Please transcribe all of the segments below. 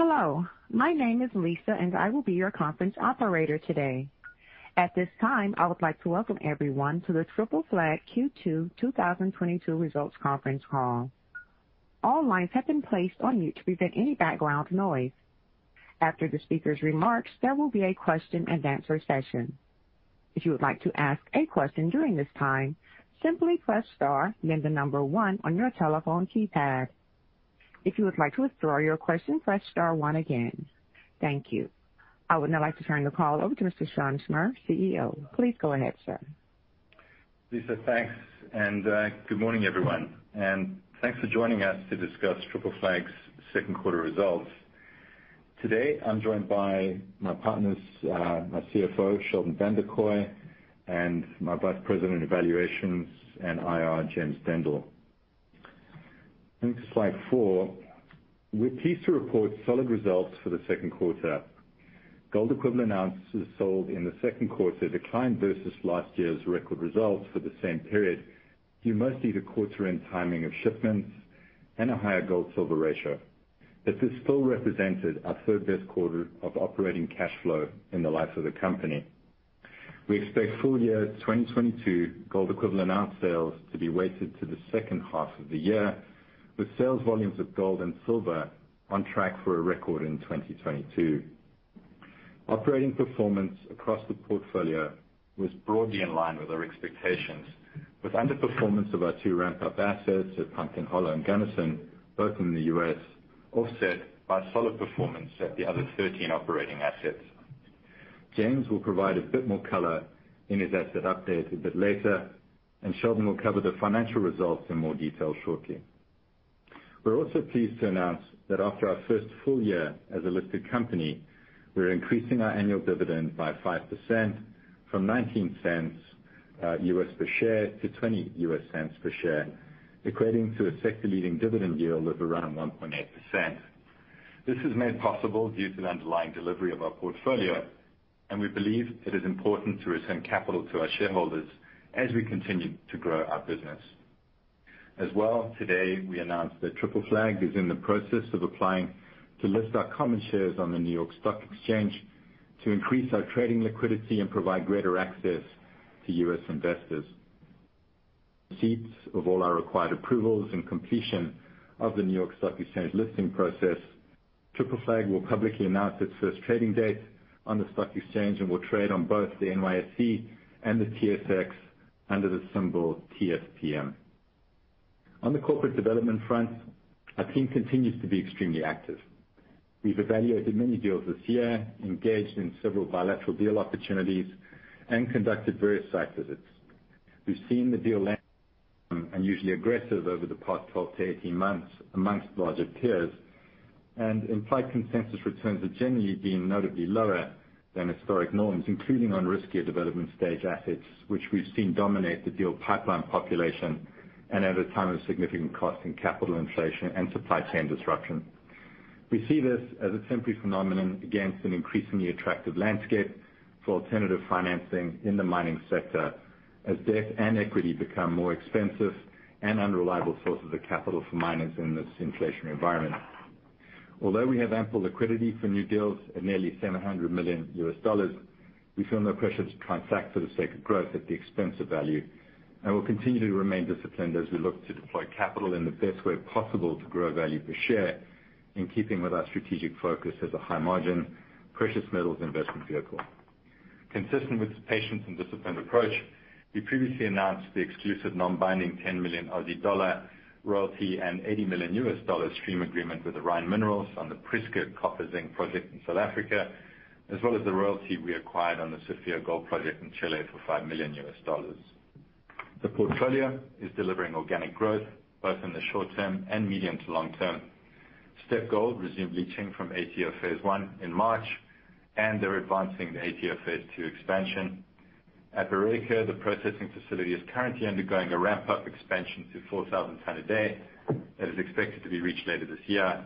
Hello, my name is Lisa, and I will be your conference operator today. At this time, I would like to welcome everyone to the Triple Flag Q2 2022 Results Conference Call. All lines have been placed on mute to prevent any background noise. After the speaker's remarks, there will be a question-and-answer session. If you would like to ask a question during this time, simply press star then the number one on your telephone keypad. If you would like to withdraw your question, press star one again. Thank you. I would now like to turn the call over to Mr. Shaun Usmar, CEO. Please go ahead, sir. Lisa, thanks. Good morning, everyone, and thanks for joining us to discuss Triple Flag's Second Quarter Results. Today I'm joined by my partners, my CFO, Sheldon Vanderkooy, and my Vice President of Evaluations and IR, James Dendle. Onto slide four. We're pleased to report solid results for the second quarter. Gold equivalent ounces sold in the second quarter declined versus last year's record results for the same period, due mostly to quarter end timing of shipments and a higher gold-silver ratio. This has still represented our third best quarter of operating cash flow in the life of the company. We expect full year 2022 gold equivalent ounce sales to be weighted to the second half of the year, with sales volumes of gold and silver on track for a record in 2022. Operating performance across the portfolio was broadly in line with our expectations, with underperformance of our two ramp up assets at Pumpkin Hollow and Gunnison, both in the U.S., offset by solid performance at the other 13 operating assets. James will provide a bit more color in his asset update a bit later, and Sheldon will cover the financial results in more detail shortly. We're also pleased to announce that after our first full year as a listed company, we're increasing our annual dividend by 5% from $0.19 U.S. per share to $0.20 U.S. per share, equating to a sector-leading dividend yield of around 1.8%. This is made possible due to the underlying delivery of our portfolio, and we believe it is important to return capital to our shareholders as we continue to grow our business. As well, today, we announced that Triple Flag is in the process of applying to list our common shares on the New York Stock Exchange to increase our trading liquidity and provide greater access to U.S. investors. Subject to all our required approvals and completion of the New York Stock Exchange listing process, Triple Flag will publicly announce its first trading date on the stock exchange and will trade on both the NYSE and the TSX under the symbol TFPM. On the corporate development front, our team continues to be extremely active. We've evaluated many deals this year, engaged in several bilateral deal opportunities, and conducted various site visits. We've seen the deal landscape unusually aggressive over the past 12-18 months among larger peers. Implied consensus returns have generally been notably lower than historic norms, including on riskier development stage assets, which we've seen dominate the deal pipeline population and at a time of significant cost and capital inflation and supply chain disruption. We see this as a temporary phenomenon against an increasingly attractive landscape for alternative financing in the mining sector, as debt and equity become more expensive and unreliable sources of capital for miners in this inflationary environment. Although we have ample liquidity for new deals at nearly $700 million, we feel no pressure to transact for the sake of growth at the expense of value. We'll continue to remain disciplined as we look to deploy capital in the best way possible to grow value per share, in keeping with our strategic focus as a high margin precious metals investment vehicle. Consistent with this patient and disciplined approach, we previously announced the exclusive non-binding 10 million Aussie dollar royalty and $80 million stream agreement with Orion Minerals on the Prieska copper-zinc project in South Africa, as well as the royalty we acquired on the Sofía gold project in Chile for $5 million. The portfolio is delivering organic growth both in the short term and medium to long term. Steppe Gold resumed leaching from ATO phase one in March, and they're advancing the ATO phase two expansion. At Beta Hunt, the processing facility is currently undergoing a ramp-up expansion to 4,000 tons a day that is expected to be reached later this year.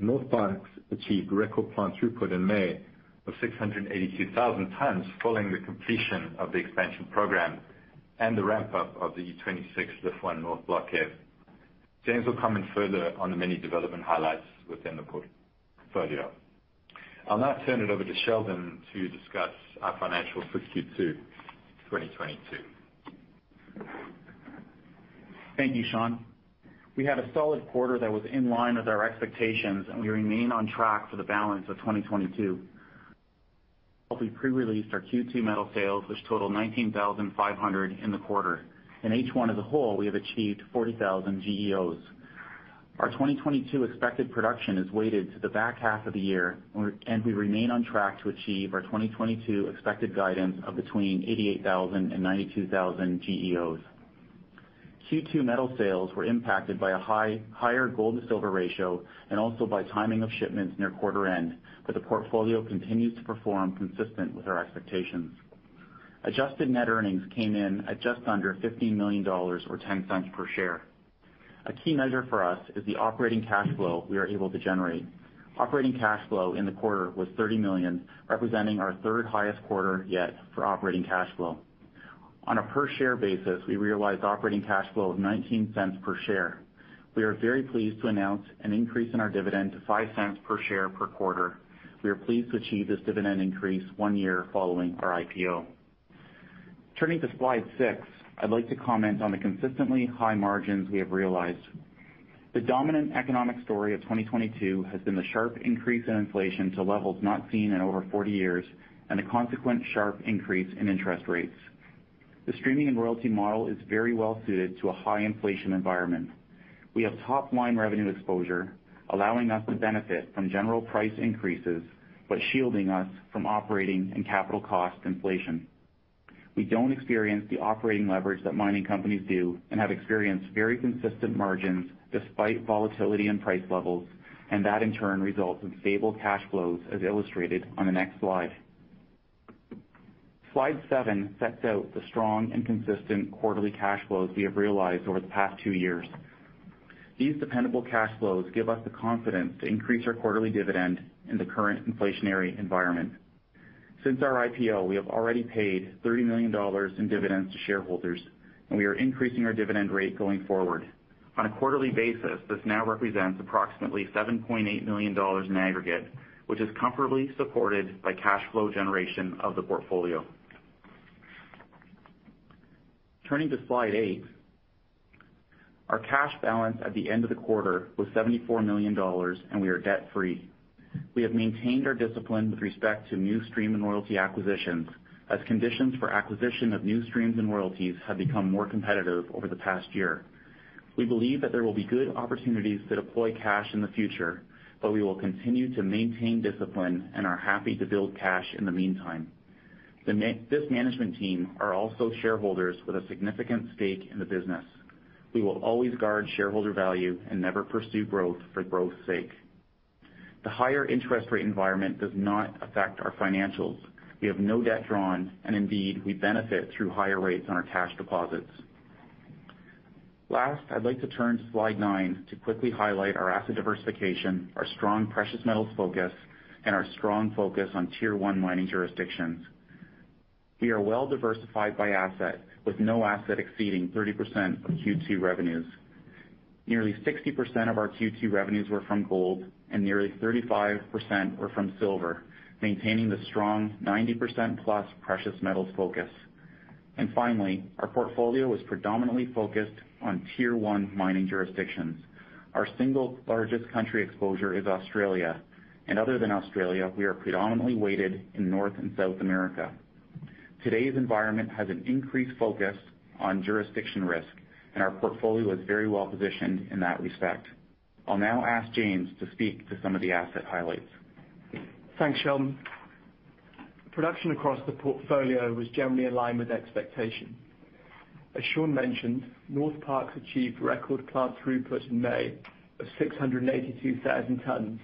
Northparkes achieved record plant throughput in May of 682,000 tons following the completion of the expansion program and the ramp-up of the E26 Lift One North block cave. James will comment further on the many development highlights within the portfolio. I'll now turn it over to Sheldon to discuss our financials for Q2 2022. Thank you, Shaun. We had a solid quarter that was in line with our expectations, and we remain on track for the balance of 2022. We pre-released our Q2 metal sales, which totaled 19,500 in the quarter. In H1 as a whole, we have achieved 40,000 GEOs. Our 2022 expected production is weighted to the back half of the year, and we remain on track to achieve our 2022 expected guidance of between 88,000 and 92,000 GEOs. Q2 metal sales were impacted by a higher gold to silver ratio and also by timing of shipments near quarter end, but the portfolio continues to perform consistent with our expectations. Adjusted net earnings came in at just under $15 million or $0.10 per share. A key measure for us is the operating cash flow we are able to generate. Operating cash flow in the quarter was $30 million, representing our third highest quarter yet for operating cash flow. On a per share basis, we realized operating cash flow of $0.19 per share. We are very pleased to announce an increase in our dividend to $0.05 per share per quarter. We are pleased to achieve this dividend increase one year following our IPO. Turning to slide 6, I'd like to comment on the consistently high margins we have realized. The dominant economic story of 2022 has been the sharp increase in inflation to levels not seen in over 40 years and a consequent sharp increase in interest rates. The streaming and royalty model is very well suited to a high inflation environment. We have top-line revenue exposure, allowing us to benefit from general price increases, but shielding us from operating and capital cost inflation. We don't experience the operating leverage that mining companies do and have experienced very consistent margins despite volatility in price levels, and that in turn results in stable cash flows, as illustrated on the next slide. Slide 7 sets out the strong and consistent quarterly cash flows we have realized over the past 2 years. These dependable cash flows give us the confidence to increase our quarterly dividend in the current inflationary environment. Since our IPO, we have already paid $30 million in dividends to shareholders, and we are increasing our dividend rate going forward. On a quarterly basis, this now represents approximately $7.8 million in aggregate, which is comfortably supported by cash flow generation of the portfolio. Turning to slide 8, our cash balance at the end of the quarter was $74 million, and we are debt-free. We have maintained our discipline with respect to new stream and royalty acquisitions, as conditions for acquisition of new streams and royalties have become more competitive over the past year. We believe that there will be good opportunities to deploy cash in the future, but we will continue to maintain discipline and are happy to build cash in the meantime. This management team are also shareholders with a significant stake in the business. We will always guard shareholder value and never pursue growth for growth's sake. The higher interest rate environment does not affect our financials. We have no debt drawn and indeed we benefit through higher rates on our cash deposits. Last, I'd like to turn to slide nine to quickly highlight our asset diversification, our strong precious metals focus, and our strong focus on tier one mining jurisdictions. We are well diversified by asset, with no asset exceeding 30% of Q2 revenues. Nearly 60% of our Q2 revenues were from gold and nearly 35% were from silver, maintaining the strong 90% plus precious metals focus. Finally, our portfolio was predominantly focused on tier one mining jurisdictions. Our single largest country exposure is Australia, and other than Australia, we are predominantly weighted in North and South America. Today's environment has an increased focus on jurisdiction risk, and our portfolio is very well positioned in that respect. I'll now ask James to speak to some of the asset highlights. Thanks, Sheldon. Production across the portfolio was generally in line with expectations. As Shaun mentioned, Northparkes achieved record plant throughput in May of 682,000 tons,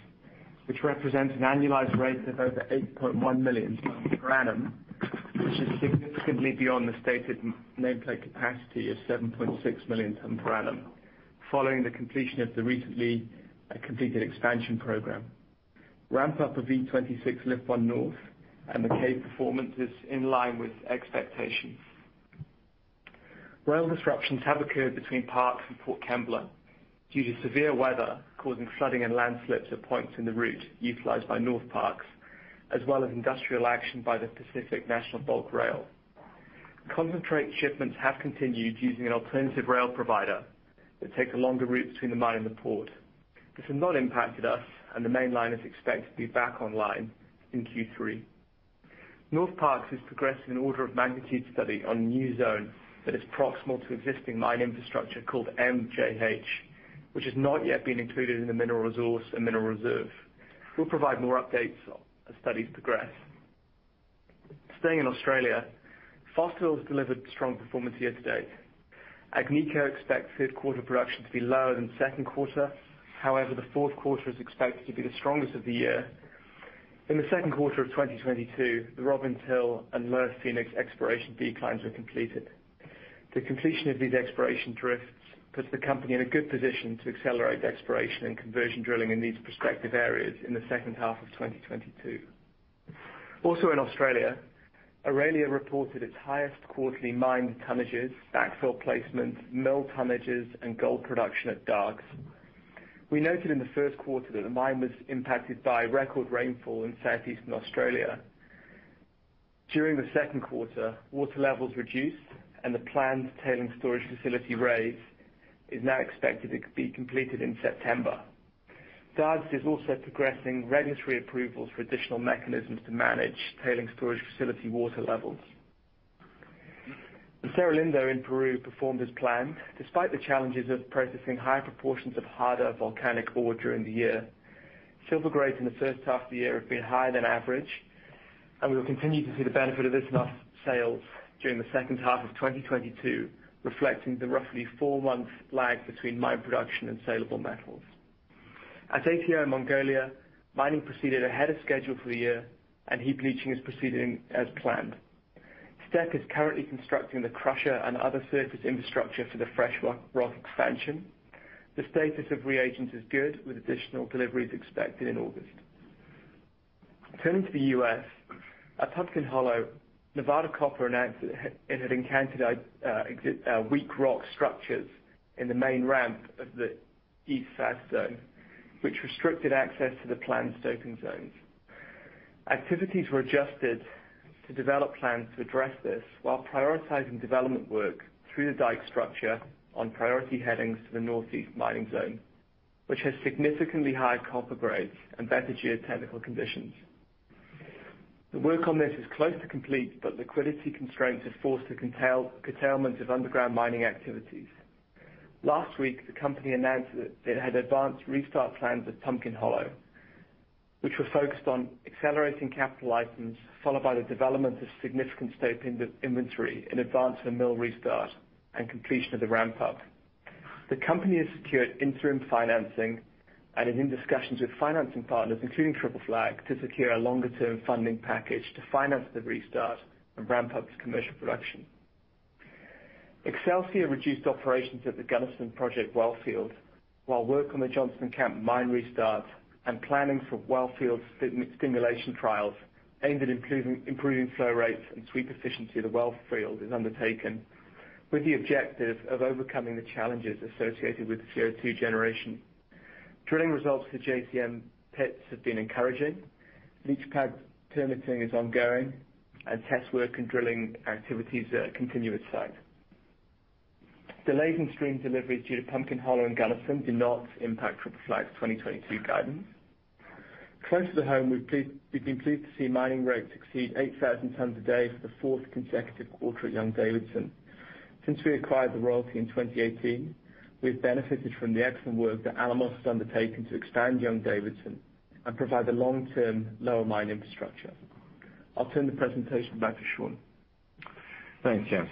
which represents an annualized rate of over 8.1 million tons per annum, which is significantly beyond the stated nameplate capacity of 7.6 million tons per annum following the completion of the recently completed expansion program. Ramp up of E26 Lift One North and the cave performance is in line with expectations. Rail disruptions have occurred between Northparkes and Port Kembla due to severe weather causing flooding and landslips at points in the route utilized by Northparkes, as well as industrial action by Pacific National. Concentrate shipments have continued using an alternative rail provider that takes a longer route between the mine and the port. This has not impacted us, and the main line is expected to be back online in Q3. Northparkes has progressed an order of magnitude study on a new zone that is proximal to existing mine infrastructure called MJH, which has not yet been included in the mineral resource and mineral reserve. We'll provide more updates as studies progress. Staying in Australia, Fosterville delivered strong performance year to date. Agnico expects third quarter production to be lower than second quarter. However, the fourth quarter is expected to be the strongest of the year. In the second quarter of 2022, the Robbins Hill and Lower Phoenix exploration decline were completed. The completion of these exploration drifts puts the company in a good position to accelerate exploration and conversion drilling in these prospective areas in the second half of 2022. In Australia, Aurelia reported its highest quarterly mined tonnages, backfill placements, mill tonnages, and gold production at Dargues. We noted in the first quarter that the mine was impacted by record rainfall in southeastern Australia. During the second quarter, water levels reduced and the planned tailings storage facility raise is now expected to be completed in September. Dargues is also progressing regulatory approvals for additional mechanisms to manage tailings storage facility water levels. Cerro Lindo in Peru performed as planned despite the challenges of processing high proportions of harder volcanic ore during the year. Silver grades in the first half of the year have been higher than average, and we will continue to see the benefit of this in our sales during the second half of 2022, reflecting the roughly four-month lag between mine production and saleable metals. At ATO in Mongolia, mining proceeded ahead of schedule for the year and heap leaching is proceeding as planned. Stack is currently constructing the crusher and other surface infrastructure for the fresh rock expansion. The status of reagents is good, with additional deliveries expected in August. Turning to the U.S., at Pumpkin Hollow, Nevada Copper announced it had encountered weak rock structures in the main ramp of the east south zone, which restricted access to the planned stoping zones. Activities were adjusted to develop plans to address this while prioritizing development work through the dike structure on priority headings to the northeast mining zone, which has significantly high copper grades and better geotechnical conditions. The work on this is close to complete, but liquidity constraints have forced the curtailment of underground mining activities. Last week, the company announced that it had advanced restart plans at Pumpkin Hollow, which were focused on accelerating capital items, followed by the development of significant scope in the inventory in advance of a mill restart and completion of the ramp-up. The company has secured interim financing and is in discussions with financing partners, including Triple Flag, to secure a longer-term funding package to finance the restart and ramp-up its commercial production. Excelsior reduced operations at the Gunnison Project well field while work on the Johnson Camp mine restarts and planning for well field stimulation trials aimed at improving flow rates and sweep efficiency of the well field is undertaken, with the objective of overcoming the challenges associated with the CO2 generation. Drilling results for JCM pits have been encouraging. Leach pad permitting is ongoing and test work and drilling activities continue at site. Delays in stream deliveries due to Pumpkin Hollow and Gunnison do not impact Triple Flag's 2022 guidance. Closer to home, we've been pleased to see mining rates exceed 8,000 tons a day for the fourth consecutive quarter at Young-Davidson. Since we acquired the royalty in 2018, we've benefited from the excellent work that Alamos has undertaken to expand Young-Davidson and provide the long-term low mine infrastructure. I'll turn the presentation back to Shaun. Thanks, James.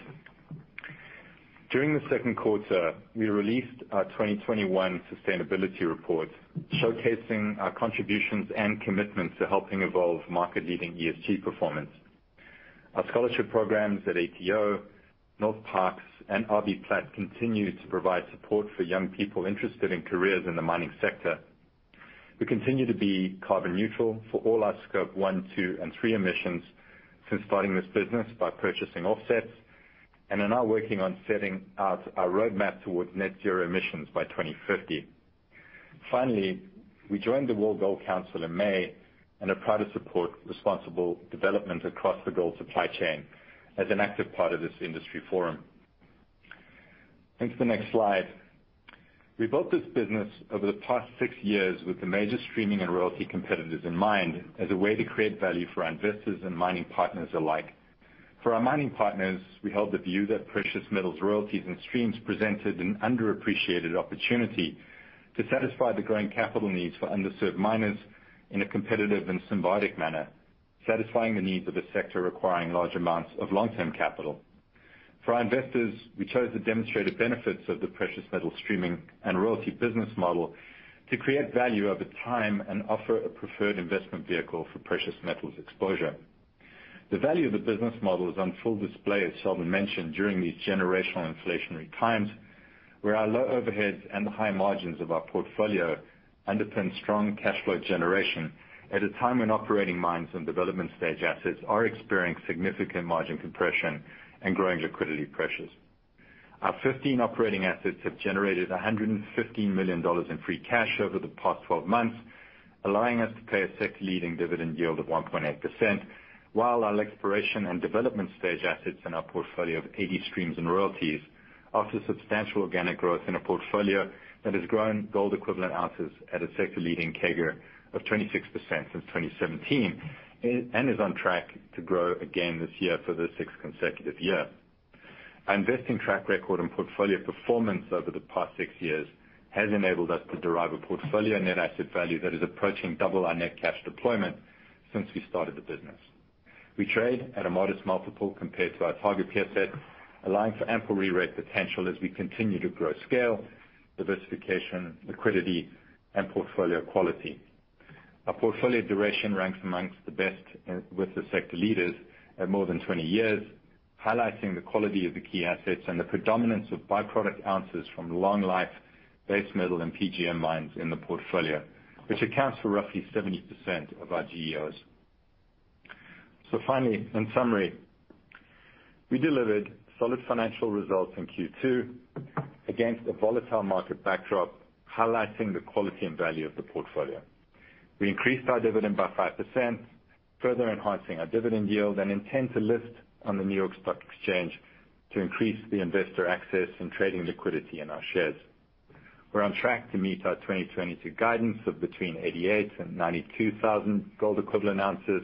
During the second quarter, we released our 2021 sustainability report, showcasing our contributions and commitments to helping evolve market-leading ESG performance. Our scholarship programs at ATO, Northparkes, and RBPlat continue to provide support for young people interested in careers in the mining sector. We continue to be carbon neutral for all our Scope 1, 2, and 3 emissions since starting this business by purchasing offsets, and are now working on setting out our roadmap towards net zero emissions by 2050. Finally, we joined the World Gold Council in May and are proud to support responsible development across the gold supply chain as an active part of this industry forum. Onto the next slide. We built this business over the past 6 years with the major streaming and royalty competitors in mind as a way to create value for our investors and mining partners alike. For our mining partners, we held the view that precious metals, royalties, and streams presented an underappreciated opportunity to satisfy the growing capital needs for underserved miners in a competitive and symbiotic manner, satisfying the needs of a sector requiring large amounts of long-term capital. For our investors, we chose to demonstrate the benefits of the precious metal streaming and royalty business model to create value over time and offer a preferred investment vehicle for precious metals exposure. The value of the business model is on full display, as Sheldon mentioned, during these generational inflationary times, where our low overheads and the high margins of our portfolio underpin strong cash flow generation at a time when operating mines and development stage assets are experiencing significant margin compression and growing liquidity pressures. Our 15 operating assets have generated $115 million in free cash over the past 12 months, allowing us to pay a sector-leading dividend yield of 1.8%, while our exploration and development stage assets in our portfolio of 80 streams and royalties offer substantial organic growth in a portfolio that has grown gold equivalent ounces at a sector-leading CAGR of 26% since 2017, and is on track to grow again this year for the sixth consecutive year. Our investing track record and portfolio performance over the past 6 years has enabled us to derive a portfolio net asset value that is approaching double our net cash deployment since we started the business. We trade at a modest multiple compared to our target peer set, allowing for ample rerate potential as we continue to grow scale, diversification, liquidity, and portfolio quality. Our portfolio duration ranks amongst the best with the sector leaders at more than 20 years, highlighting the quality of the key assets and the predominance of by-product ounces from long-life base metal and PGM mines in the portfolio, which accounts for roughly 70% of our GEOs. Finally, in summary, we delivered solid financial results in Q2 against a volatile market backdrop, highlighting the quality and value of the portfolio. We increased our dividend by 5%, further enhancing our dividend yield, and intend to list on the New York Stock Exchange to increase the investor access and trading liquidity in our shares. We're on track to meet our 2022 guidance of between 88,000 and 92,000 gold equivalent ounces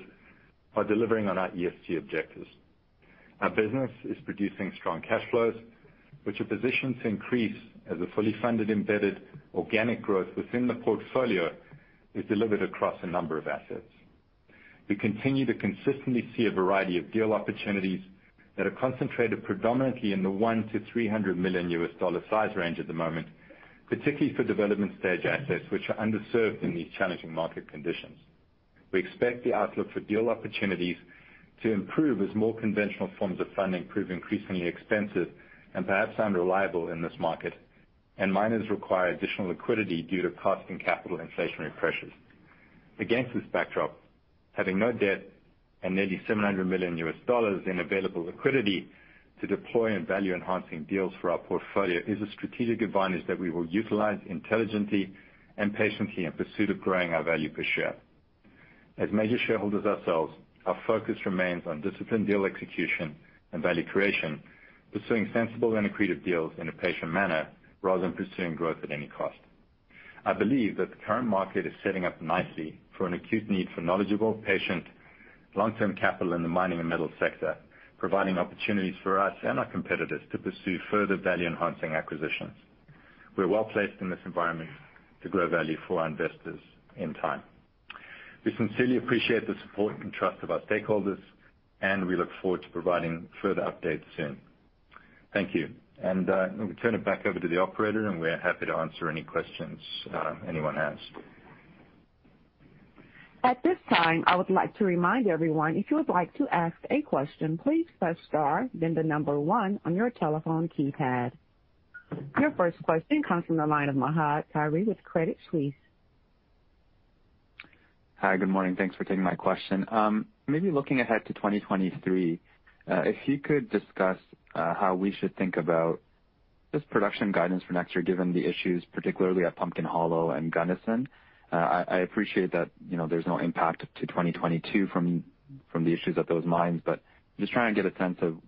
while delivering on our ESG objectives. Our business is producing strong cash flows, which are positioned to increase as the fully funded embedded organic growth within the portfolio is delivered across a number of assets. We continue to consistently see a variety of deal opportunities that are concentrated predominantly in the $100 million-$300 million size range at the moment, particularly for development stage assets, which are underserved in these challenging market conditions. We expect the outlook for deal opportunities to improve as more conventional forms of funding prove increasingly expensive and perhaps unreliable in this market. Miners require additional liquidity due to cost and capital inflationary pressures. Against this backdrop, having no debt and nearly $700 million in available liquidity to deploy in value-enhancing deals for our portfolio is a strategic advantage that we will utilize intelligently and patiently in pursuit of growing our value per share. As major shareholders ourselves, our focus remains on disciplined deal execution and value creation, pursuing sensible and accretive deals in a patient manner rather than pursuing growth at any cost. I believe that the current market is setting up nicely for an acute need for knowledgeable, patient, long-term capital in the mining and metals sector, providing opportunities for us and our competitors to pursue further value-enhancing acquisitions. We are well-placed in this environment to grow value for our investors in time. We sincerely appreciate the support and trust of our stakeholders, and we look forward to providing further updates soon. Thank you. Let me turn it back over to the operator, and we're happy to answer any questions anyone has. At this time, I would like to remind everyone, if you would like to ask a question, please press star, then the number one on your telephone keypad. Your first question comes from the line of Fahad Tariq with Credit Suisse. Hi, good morning. Thanks for taking my question. Maybe looking ahead to 2023, if you could discuss how we should think about this production guidance for next year, given the issues particularly at Pumpkin Hollow and Gunnison. I appreciate that, you know, there's no impact to 2022 from the issues at those mines, but just trying to get a sense of,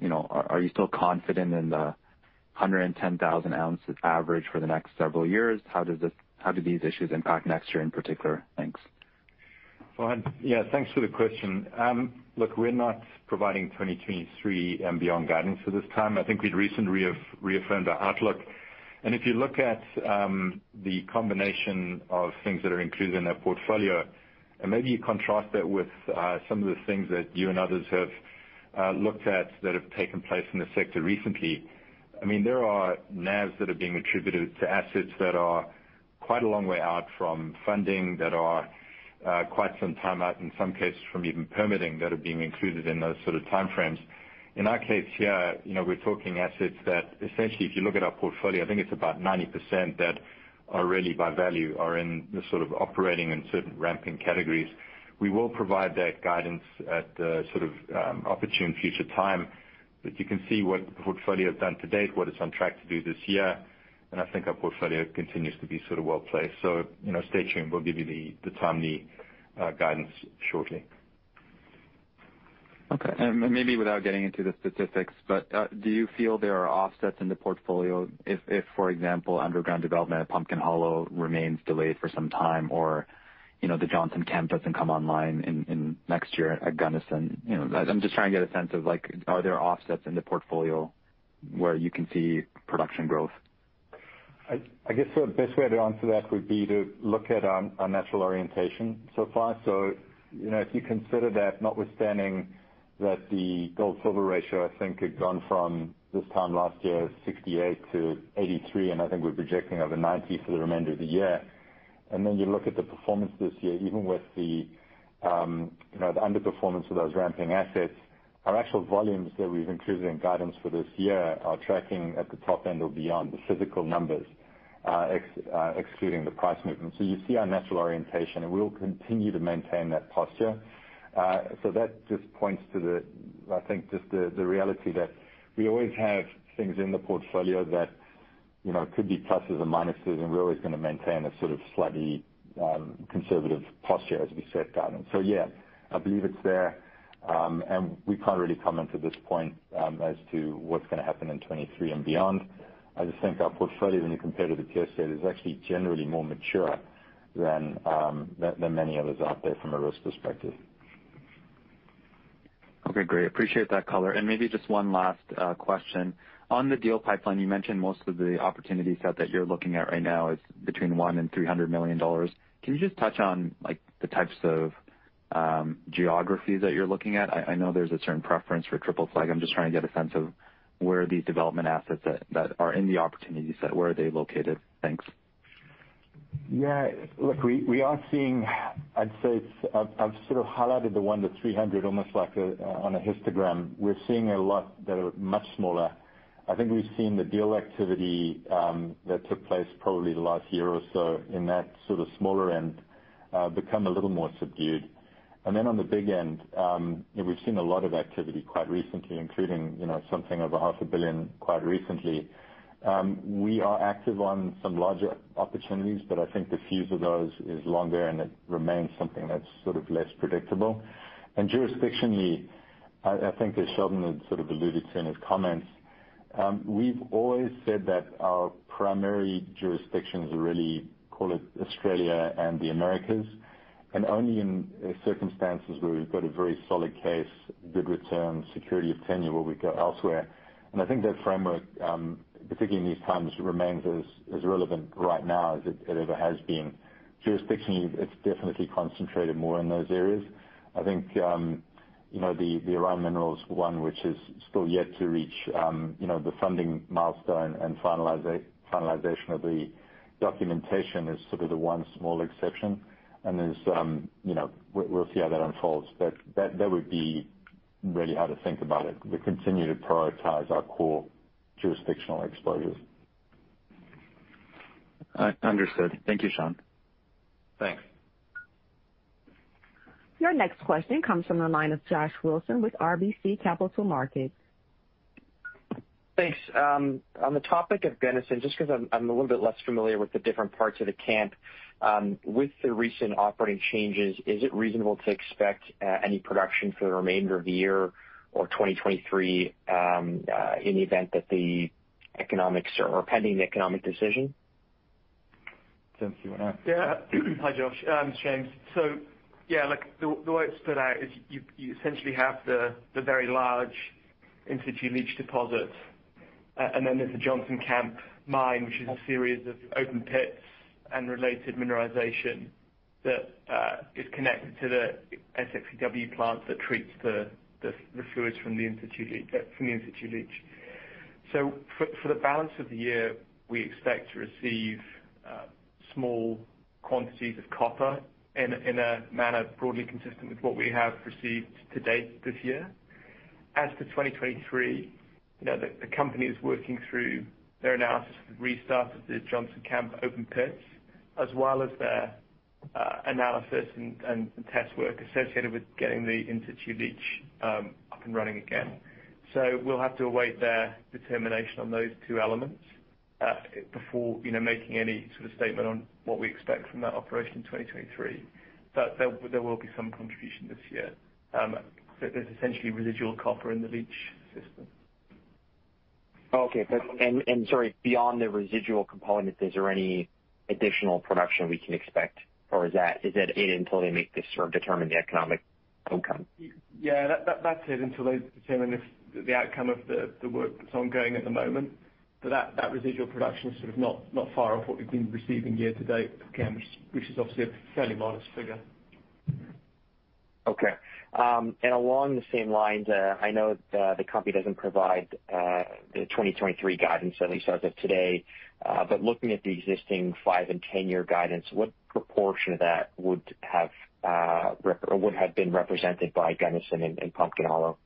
you know, are you still confident in the 110,000 ounces average for the next several years? How do these issues impact next year in particular? Thanks. Well, yeah, thanks for the question. Look, we're not providing 2023 and beyond guidance for this time. I think we'd recently have reaffirmed our outlook. If you look at the combination of things that are included in our portfolio, and maybe you contrast that with some of the things that you and others have looked at that have taken place in the sector recently. I mean, there are NAVs that are being attributed to assets that are quite a long way out from funding, that are quite some time out, in some cases, from even permitting that are being included in those sort of time frames. In our case here, you know, we're talking assets that essentially, if you look at our portfolio, I think it's about 90% that are really by value, are in the sort of operating and certain ramping categories. We will provide that guidance at a sort of opportune future time. You can see what the portfolio has done to date, what it's on track to do this year, and I think our portfolio continues to be sort of well-placed. You know, stay tuned. We'll give you the timely guidance shortly. Okay. Maybe without getting into the statistics, but, do you feel there are offsets in the portfolio if, for example, underground development at Pumpkin Hollow remains delayed for some time or, you know, the Johnson Camp doesn't come online in next year at Gunnison? You know, I'm just trying to get a sense of, like, are there offsets in the portfolio where you can see production growth? I guess the best way to answer that would be to look at our natural orientation so far. You know, if you consider that notwithstanding that the gold-silver ratio, I think, had gone from this time last year, 68-83, and I think we're projecting over 90 for the remainder of the year. Then you look at the performance this year, even with the, you know, the underperformance of those ramping assets, our actual volumes that we've included in guidance for this year are tracking at the top end or beyond the physical numbers, excluding the price movement. You see our natural orientation, and we'll continue to maintain that posture. That just points to the reality that we always have things in the portfolio that, you know, could be pluses or minuses, and we're always gonna maintain a sort of slightly conservative posture as we set guidance. Yeah, I believe it's there, and we can't really comment at this point as to what's gonna happen in 2023 and beyond. I just think our portfolio, when you compare to the peer set, is actually generally more mature than many others out there from a risk perspective. Okay, great. Appreciate that color. Maybe just one last question. On the deal pipeline, you mentioned most of the opportunity set that you're looking at right now is between $100 million and $300 million. Can you just touch on, like, the types of geographies that you're looking at? I know there's a certain preference for Triple Flag. I'm just trying to get a sense of where these development assets that are in the opportunity set, where are they located? Thanks. Yeah. Look, we are seeing. I'd say it's. I've sort of highlighted the 100-300 almost like, on a histogram. We're seeing a lot that are much smaller. I think we've seen the deal activity that took place probably the last year or so in that sort of smaller end become a little more subdued. On the big end, you know, we've seen a lot of activity quite recently, including, you know, something of $500 million quite recently. We are active on some larger opportunities, but I think the fuse of those is longer, and it remains something that's sort of less predictable. Jurisdictionally, I think as Sheldon had sort of alluded to in his comments, we've always said that our primary jurisdictions are really, call it Australia and the Americas, and only in circumstances where we've got a very solid case, good return, security of tenure, will we go elsewhere. I think that framework, particularly in these times, remains as relevant right now as it ever has been. Jurisdictionally, it's definitely concentrated more in those areas. I think, you know, the Orion Minerals one, which is still yet to reach, you know, the funding milestone and finalization of the documentation is sort of the one small exception. There's, you know, we'll see how that unfolds. But that would be really how to think about it. We continue to prioritize our core jurisdictional exposures. I understood. Thank you, Shaun. Thanks. Your next question comes from the line of Josh Wolfson with RBC Capital Markets. Thanks. On the topic of Gunnison, just 'cause I'm a little bit less familiar with the different parts of the camp, with the recent operating changes, is it reasonable to expect any production for the remainder of the year or 2023, in the event that the economics or pending the economic decision? James, do you wanna? Yeah. Hi, Josh. It's James. Yeah, look, the way it's split out is you essentially have the very large in-situ leach deposit, and then there's a Johnson Camp mine, which is a series of open pits and related mineralization that is connected to the SXEW plant that treats the fluids from the in-situ leach. For the balance of the year, we expect to receive small quantities of copper in a manner broadly consistent with what we have received to date this year. As for 2023, you know, the company is working through their analysis of the restart of the Johnson Camp open pits, as well as their analysis and test work associated with getting the in-situ leach up and running again. We'll have to await their determination on those two elements before, you know, making any sort of statement on what we expect from that operation in 2023. There will be some contribution this year. There's essentially residual copper in the leach system. Okay. Sorry, beyond the residual component, is there any additional production we can expect, or is that it until they make this or determine the economic outcome? Yeah, that's it until they determine if the outcome of the work that's ongoing at the moment. That residual production is sort of not far off what we've been receiving year to date, again, which is obviously a fairly modest figure. Okay. Along the same lines, I know the company doesn't provide the 2023 guidance, at least as of today, but looking at the existing 5- and 10-year guidance, what proportion of that would have or would have been represented by Gunnison and Pumpkin Hollow?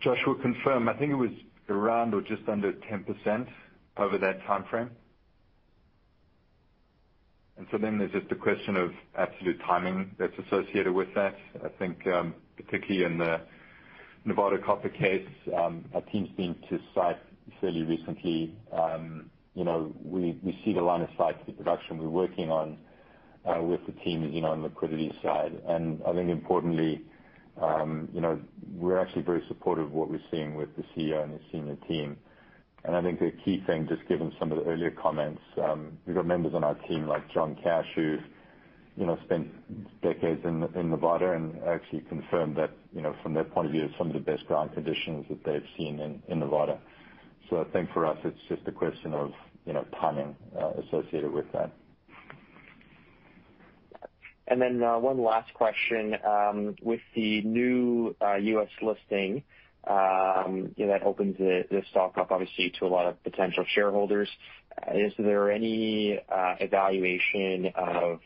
Josh, we'll confirm. I think it was around or just under 10% over that timeframe. There's just a question of absolute timing that's associated with that. I think, particularly in the Nevada Copper case, our team's been to site fairly recently. You know, we see the line of sight to the production we're working on with the team, you know, on liquidity side. I think importantly, you know, we're actually very supportive of what we're seeing with the CEO and his senior team. I think the key thing, just given some of the earlier comments, we've got members on our team like John Cash, who've you know, spent decades in Nevada and actually confirmed that, you know, from their point of view, some of the best ground conditions that they've seen in Nevada. I think for us, it's just a question of, you know, timing associated with that. One last question. With the new U.S. listing, you know, that opens the stock up obviously to a lot of potential shareholders, is there any evaluation of,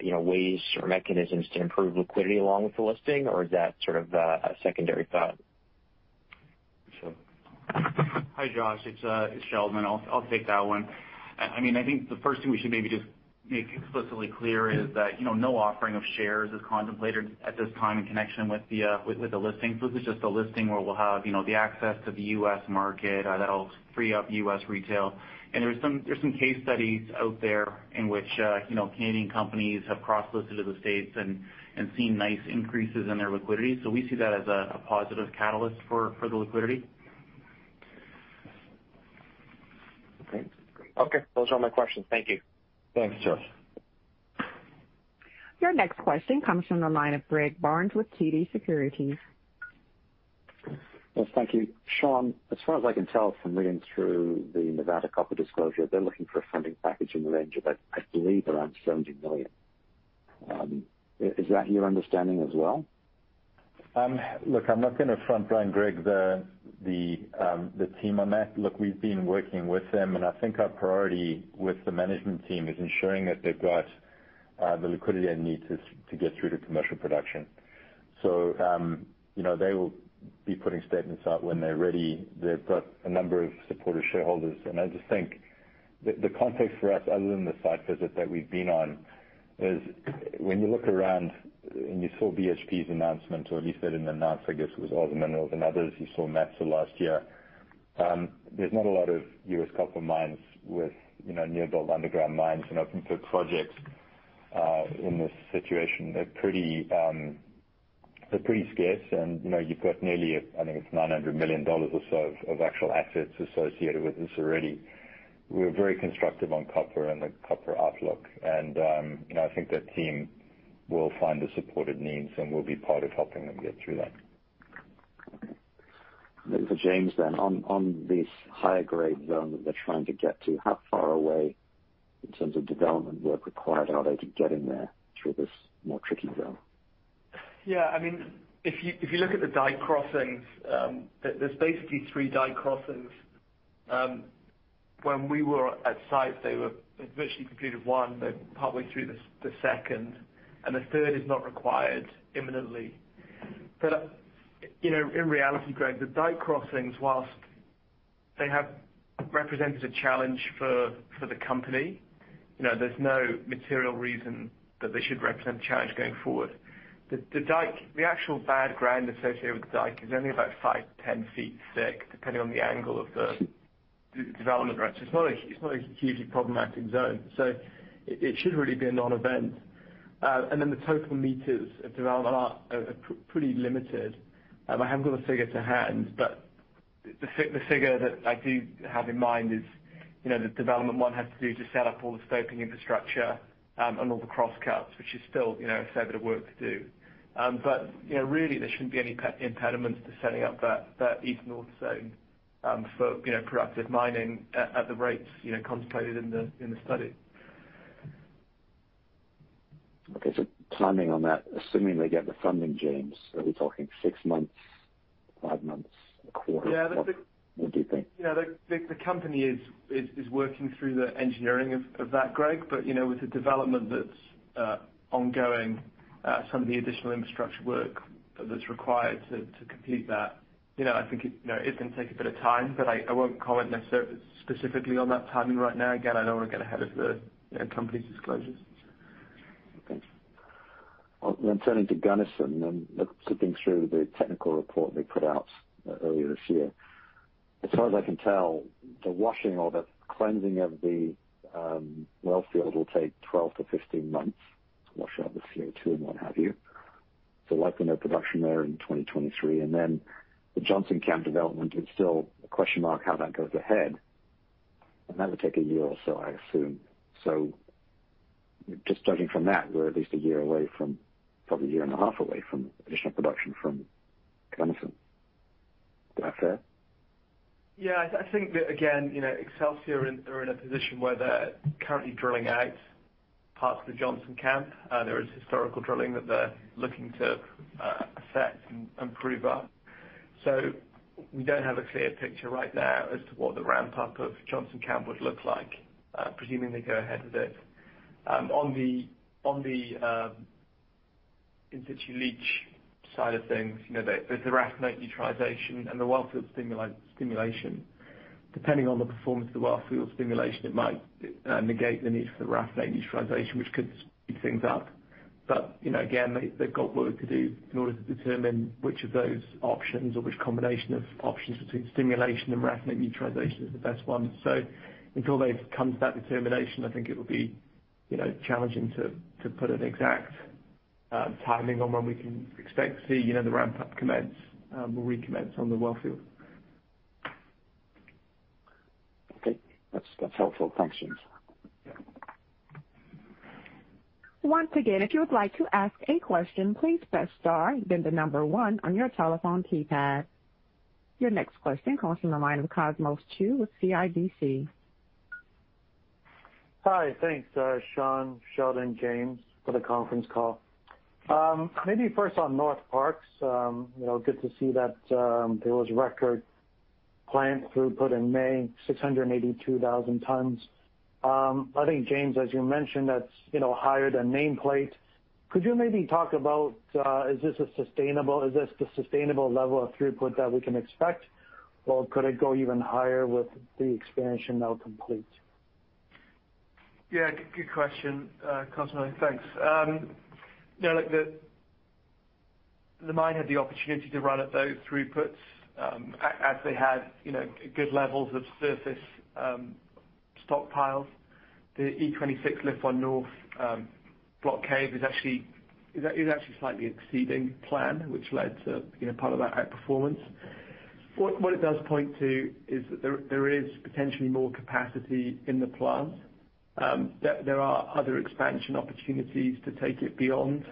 you know, ways or mechanisms to improve liquidity along with the listing, or is that sort of a secondary thought? Sheldon? Hi, Josh. It's Sheldon. I'll take that one. I mean, I think the first thing we should maybe just make explicitly clear is that, you know, no offering of shares is contemplated at this time in connection with the with the listing. This is just a listing where we'll have, you know, the access to the U.S. market, that'll free up U.S. retail. There's some case studies out there in which, you know, Canadian companies have cross-listed to the States and seen nice increases in their liquidity. We see that as a positive catalyst for the liquidity. Okay. Okay. Those are all my questions. Thank you. Thanks, Josh. Your next question comes from the line of Greg Barnes with TD Securities. Yes, thank you. Shaun, as far as I can tell from reading through the Nevada Copper disclosure, they're looking for a funding package in the range of, I believe around $70 million. Is that your understanding as well? Look, I'm not gonna front line Greg the team on that. Look, we've been working with them, and I think our priority with the management team is ensuring that they've got the liquidity they need to get through to commercial production. You know, they will be putting statements out when they're ready. They've got a number of supportive shareholders. I just think the context for us, other than the site visit that we've been on, is when you look around and you saw BHP's announcement, or at least read in the announcement, I guess it was OZ Minerals and others you saw Mather last year. There's not a lot of U.S. copper mines with, you know, near build underground mines and open pit projects, in this situation. They're pretty scarce and, you know, you've got nearly, I think it's $900 million or so of actual assets associated with this already. We're very constructive on copper and the copper outlook and, you know, I think that team will find the support it needs, and we'll be part of helping them get through that. Okay. For James then, on this higher grade zone that they're trying to get to, how far away in terms of development work required are they to getting there through this more tricky zone? Yeah. I mean, if you look at the dike crossings, there's basically three dike crossings. When we were at site, they were virtually completed one, they're partly through the second, and the third is not required imminently. You know, in reality, Greg, the dike crossings, whilst they have represented a challenge for the company, you know, there's no material reason that they should represent a challenge going forward. The dike, the actual bad ground associated with the dike is only about 5-10 feet thick, depending on the angle of the development, right? So it's not a hugely problematic zone, so it should really be a non-event. And then the total meters of development are pretty limited. I haven't got a figure to hand, but the figure that I do have in mind is, you know, the development one had to do to set up all the scoping infrastructure, and all the crosscuts, which is still, you know, a fair bit of work to do. You know, really there shouldn't be any impediments to setting up that East North Zone, for, you know, productive mining at the rates, you know, contemplated in the study. Okay. Timing on that, assuming they get the funding, James, are we talking 6 months? 5 months? A quarter? Yeah. What do you think? You know, the company is working through the engineering of that, Greg. You know, with the development that's ongoing, some of the additional infrastructure work that's required to complete that, you know, I think it is gonna take a bit of time, but I won't comment necessarily specifically on that timing right now. Again, I don't wanna get ahead of the company's disclosures. Okay. Well turning to Gunnison and skimming through the technical report they put out earlier this year. As far as I can tell, the washing or the cleansing of the well field will take 12-15 months to wash out the CO2 and what have you. Likely no production there in 2023. The Johnson Camp development is still a question mark how that goes ahead. That would take a year or so, I assume. Just judging from that, we're at least a year away from, probably a year and a half away from additional production from Gunnison. Is that fair? Yeah. I think that, again, you know, Excelsior are in a position where they're currently drilling out parts of the Johnson Camp. There is historical drilling that they're looking to assess and prove up. We don't have a clear picture right now as to what the ramp up of Johnson Camp would look like, presuming they go ahead with it. On the in-situ leach side of things, you know, there's the raffinate neutralization and the well field stimulation. Depending on the performance of the well field stimulation, it might negate the need for the raffinate neutralization, which could speed things up. You know, again, they've got work to do in order to determine which of those options or which combination of options between stimulation and raffinate neutralization is the best one. Until they've come to that determination, I think it would be, you know, challenging to put an exact timing on when we can expect to see, you know, the ramp up commence, or recommence on the well field. Okay. That's helpful. Thanks, James. Yeah. Once again, if you would like to ask a question, please press star then the number one on your telephone keypad. Your next question comes from the line of Cosmos Chiu with CIBC. Hi. Thanks, Shaun, Sheldon, James, for the conference call. Maybe first on Northparkes. You know, good to see that there was record plant throughput in May, 682,000 tons. I think, James, as you mentioned, that's, you know, higher than nameplate. Could you maybe talk about is this the sustainable level of throughput that we can expect? Or could it go even higher with the expansion now complete? Yeah, good question, Cosmos. Thanks. You know, look, the mine had the opportunity to run at those throughputs, as they had you know, good levels of surface stockpiles. The E26 Lift One North block cave is actually slightly exceeding plan, which led to you know, part of that outperformance. What it does point to is that there is potentially more capacity in the plant. There are other expansion opportunities to take it beyond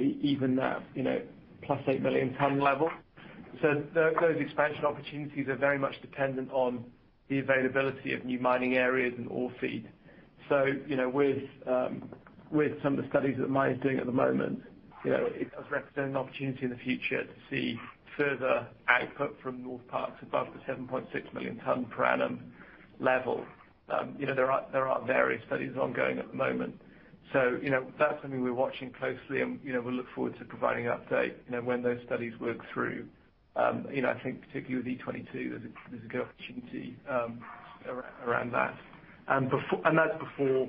even that you know, plus 8 million ton level. Those expansion opportunities are very much dependent on the availability of new mining areas and ore feed. You know, with some of the studies that the mine is doing at the moment, you know, it does represent an opportunity in the future to see further output from Northparkes above the 7.6 million tons per annum level. You know, there are various studies ongoing at the moment, you know, that's something we're watching closely and, you know, we'll look forward to providing an update, you know, when those studies work through. You know, I think particularly with E22, there's a good opportunity around that. That's before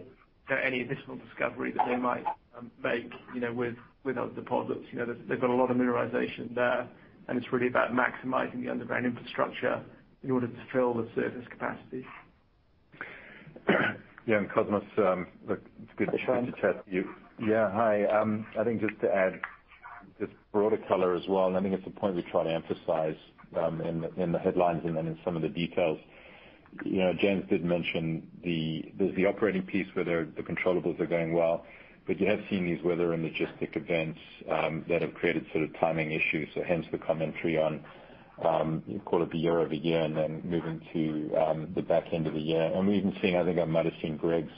any additional discovery that they might make, you know, with other deposits. You know, they've got a lot of mineralization there, and it's really about maximizing the underground infrastructure in order to fill the surface capacity. Yeah. Cosmos, look, it's good to chat to you. Yeah. Hi. I think just to add just broader color as well. I think it's a point we try to emphasize in the headlines and then in some of the details. You know, James did mention the operating piece where they're the controllables are going well, but you have seen these weather and logistic events that have created sort of timing issues. Hence the commentary. You call it the first half of the year and then moving to the back end of the year. We've even seen. I think I might have seen Greg's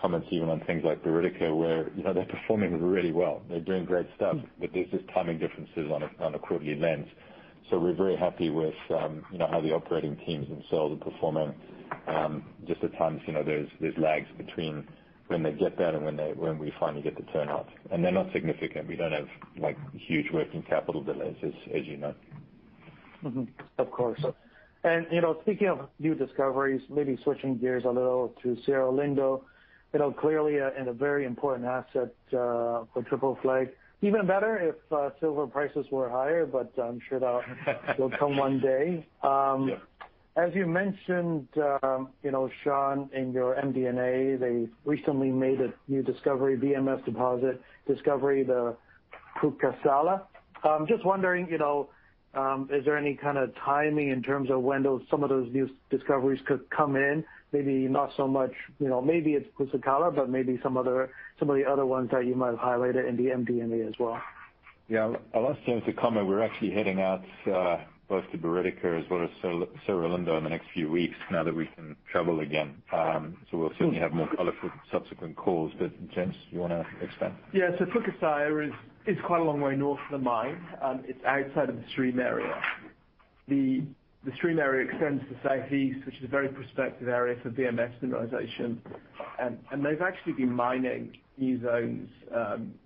comments even on things like Beridika, where, you know, they're performing really well. They're doing great stuff, but there's just timing differences on a quarterly lens. We're very happy with, you know, how the operating teams themselves are performing. Just at times, you know, there's lags between when they get that and when we finally get the turnout. They're not significant. We don't have, like, huge working capital delays, as you know. Of course. You know, speaking of new discoveries, maybe switching gears a little to Cerro Lindo, you know, clearly, and a very important asset for Triple Flag. Even better if silver prices were higher, but I'm sure that will come one day. Yeah. As you mentioned, you know, Shaun, in your MD&A, they recently made a new discovery, VMS deposit discovery, the Pukaqaqa. Just wondering, you know, is there any kind of timing in terms of when those, some of those new discoveries could come in? Maybe not so much, you know, maybe it's Pukaqaqa, but maybe some other, some of the other ones that you might have highlighted in the MD&A as well. Yeah. I'll ask James to comment. We're actually heading out both to Beridika as well as Cerro Lindo in the next few weeks now that we can travel again. We'll certainly have more color for subsequent calls. James, you wanna expand? Yeah. Pukaqaqa is quite a long way north of the mine. It's outside of the stream area. The stream area extends to southeast, which is a very prospective area for VMS mineralization. They've actually been mining new zones,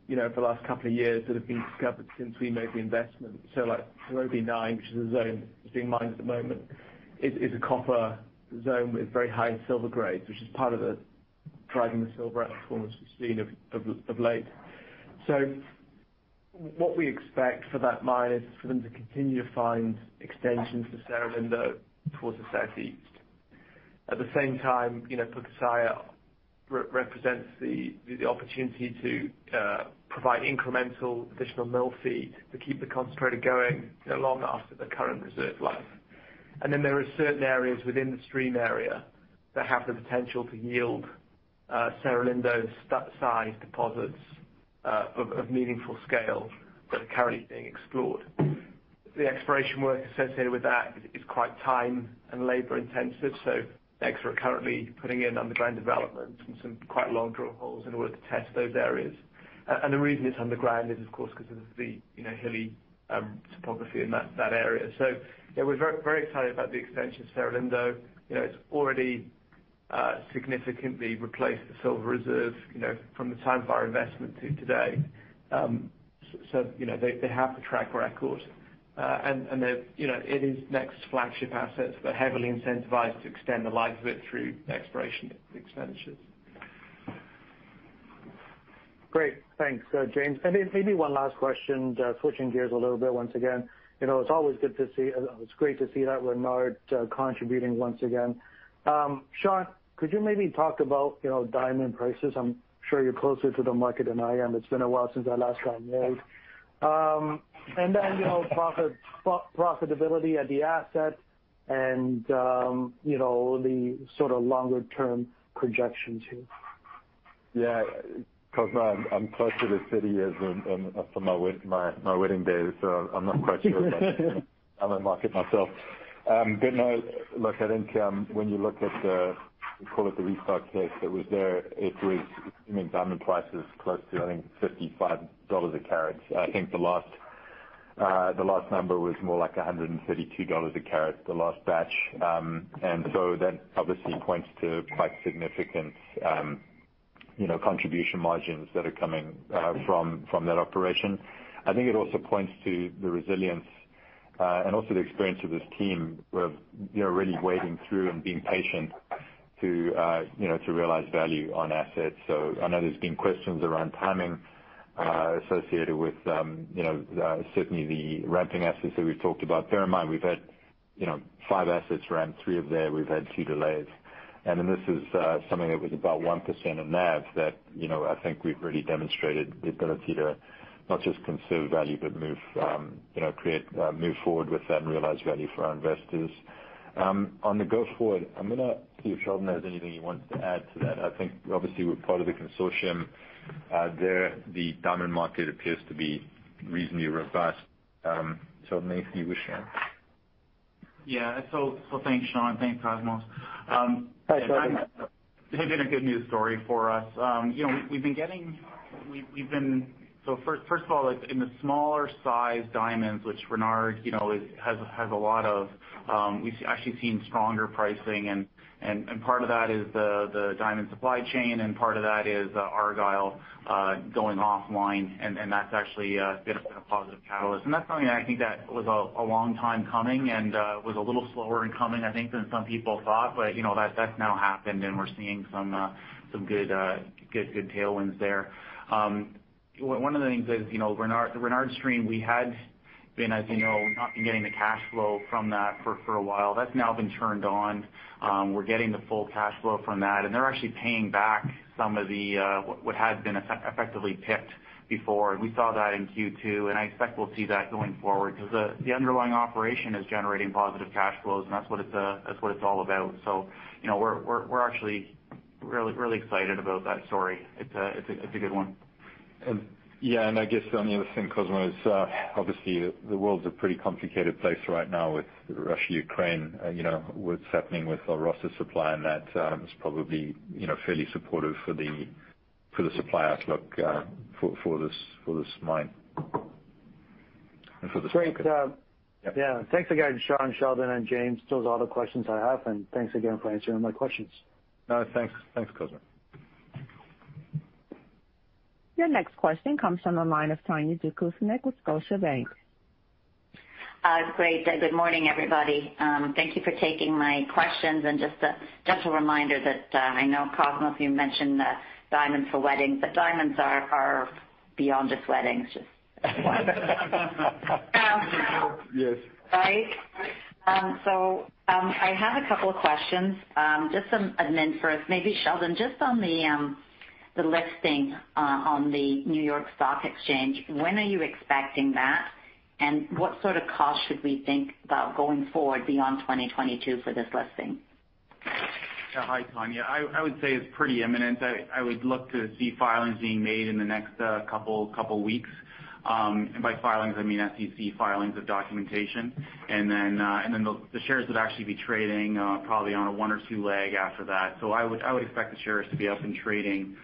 you know, for the last couple of years that have been discovered since we made the investment. Like Cero B Nine, which is a zone that's being mined at the moment, is a copper zone with very high silver grades, which is part of driving the silver outperformance we've seen of late. What we expect for that mine is for them to continue to find extensions to Cerro Lindo towards the southeast. At the same time, you know, Pukaqaqa represents the opportunity to provide incremental additional mill feed to keep the concentrator going, you know, long after the current reserve life. Then there are certain areas within the Stream area that have the potential to yield Cerro Lindo's size deposits of meaningful scale that are currently being explored. The exploration work associated with that is quite time and labor intensive, so they're currently putting in underground development and some quite long drill holes in order to test those areas. The reason it's underground is, of course, 'cause of the, you know, hilly topography in that area. Yeah, we're very excited about the extension of Cerro Lindo. You know, it's already significantly replaced the silver reserve, you know, from the time of our investment to today. You know, they have the track record. They're, you know, their next flagship assets. They're heavily incentivized to extend the life of it through exploration expenditures. Great. Thanks, James. Then maybe one last question, switching gears a little bit once again, you know, it's always good to see. It's great to see that Renard contributing once again. Shaun, could you maybe talk about, you know, diamond prices? I'm sure you're closer to the market than I am. It's been a while since I last got married. Then, you know, profit, profitability at the asset and, you know, the sort of longer term projections here. Yeah. Cosmos, I'm closer to sixty years than from my wedding day, so I'm not quite sure about the diamond market myself. No, look, I think, when you look at the, we call it the restart case that was there, it was, I mean, diamond prices close to, I think, $55 a carat. I think the last number was more like $132 a carat, the last batch. That obviously points to quite significant, you know, contribution margins that are coming, from that operation. I think it also points to the resilience, and also the experience of this team of, you know, really wading through and being patient to, you know, to realize value on assets. I know there's been questions around timing, associated with, you know, certainly the ramping assets that we've talked about. Bear in mind, we've had, you know, five assets ramp, three of them, we've had two delays. Then this is something that was about 1% of NAV that, you know, I think we've really demonstrated the ability to not just conserve value but move forward with that and realize value for our investors. Going forward, I'm gonna see if Sheldon has anything he wants to add to that. I think obviously we're part of the consortium. There, the diamond market appears to be reasonably robust, so maybe if you wish, Sheldon. Yeah. Thanks, Shaun. Thanks, Cosmos. Thanks, Sheldon. It's been a good news story for us. You know, first of all, like, in the smaller size diamonds, which Renard, you know, has a lot of, we've actually seen stronger pricing, and part of that is the diamond supply chain, and part of that is Argyle going offline, and that's actually been a positive catalyst. That's something I think that was a long time coming and was a little slower in coming, I think, than some people thought. You know, that's now happened, and we're seeing some good tailwinds there. One of the things is, you know, Renard, the Renard Stream, we had been, as you know, not been getting the cash flow from that for a while. That's now been turned on. We're getting the full cash flow from that, and they're actually paying back some of the what had been effectively prepaid before. We saw that in Q2, and I expect we'll see that going forward 'cause the underlying operation is generating positive cash flows, and that's what it's all about. You know, we're actually really excited about that story. It's a good one. Yeah, I guess the only other thing, Cosmos, is obviously the world's a pretty complicated place right now with Russia, Ukraine, you know, what's happening with our Alrosa supply, and that is probably, you know, fairly supportive for the supply outlook for this mine and for the second. Great. Yep. Yeah. Thanks again, Shaun, Sheldon, and James. Those are all the questions I have, and thanks again for answering my questions. No, thanks. Thanks, Cosmos. Your next question comes from the line of Tanya Jakusconek with Scotiabank. Great. Good morning, everybody. Thank you for taking my questions. Just a gentle reminder that, I know, Cosmos, you mentioned, diamonds for weddings, but diamonds are beyond just weddings. Just Yes. Right? I have a couple of questions. Just some admin first, maybe Sheldon, just on the listing on the New York Stock Exchange, when are you expecting that, and what sort of cost should we think about going forward beyond 2022 for this listing? Hi, Tanya. I would say it's pretty imminent. I would look to see filings being made in the next couple weeks. By filings I mean SEC filings of documentation. Then the shares would actually be trading, probably in 1 or 2 weeks after that. I would expect the shares to be up and trading,